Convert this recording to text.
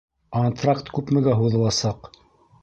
Антракт күпмегә һуҙыласаҡ?